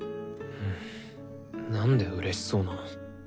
なんでうれしそうなの。